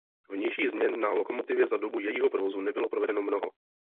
Vnějších změn na lokomotivě za dobu jejího provozu nebylo provedeno mnoho.